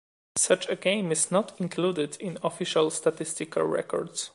Such a game is not included in official statistical records.